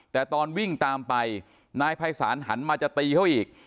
แต่ตอนวิ่งตามไปนายภัยศาลหันมาจะตีเขาอีก